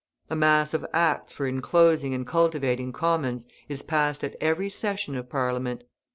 A mass of acts for enclosing and cultivating commons is passed at every session of Parliament.